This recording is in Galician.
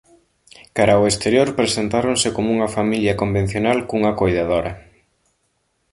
Cara ao exterior presentáronse como unha familia convencional cunha coidadora.